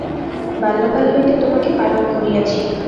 বাল্যকাল হইতে তােমাকে পালন করিয়াছি।